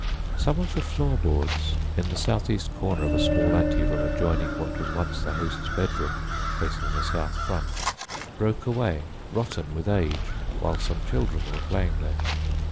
Some of the floor boards in the south east corner of a small ante room adjoining what was once "the host's bedroom," facing the south front, broke away, rotten with age, while some children were playing there.